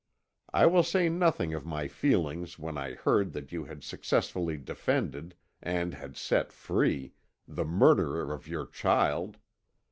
I will say nothing of my feelings when I heard that you had successfully defended, and had set free, the murderer of your child.